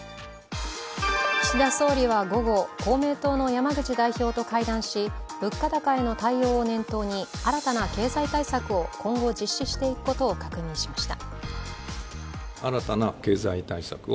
岸田総理は午後、公明党の山口代表と会談し物価高への対応を念頭に新たな経済対策を今後、実施していくことを確認しました。